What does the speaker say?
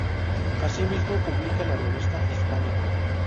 Asimismo, publica la revista "Hispania".